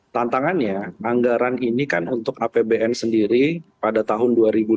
tantangannya anggaran ini kan untuk apbn sendiri pada tahun dua ribu dua puluh tiga dua ribu dua puluh empat